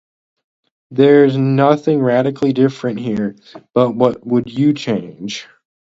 There's nothing radically different here, but what would you change?